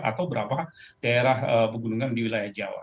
atau berapa daerah pegunungan di wilayah jawa